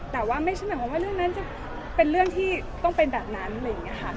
แต่ว่าไม่ใช่หมายความว่าเรื่องนั้นจะเป็นเรื่องที่ต้องเป็นแบบนั้นอะไรอย่างนี้ค่ะ